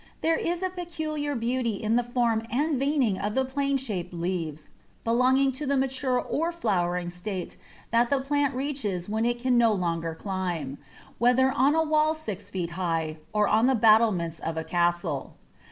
There is a peculiar beauty in the form and veining of the plain shaped leaves belonging to the mature or flowering state that the plant reaches when it can no longer climb, whether on a wall six feet high or on the battlements of a castle.